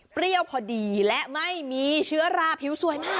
พอดีและไม่มีเชื้อราผิวสวยมาก